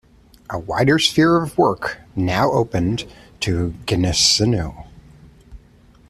A wider sphere of work now opened to Gneisenau.